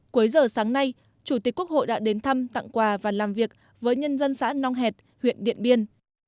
cuối giờ sáng nay chủ tịch quốc hội đã đến thăm tặng quà và làm việc với nhân dân xã nong hẹt huyện điện biên